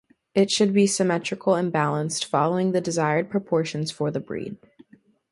It should be symmetrical and balanced, following the desired proportions for the breed.